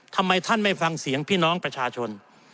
ทำไมท่านไม่ฟังเสียงพี่น้องประชาชน